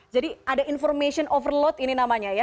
jadi ada information overload ini namanya ya